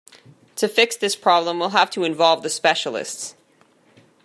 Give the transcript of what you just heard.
To fix this problem we'll have to involve the specialists.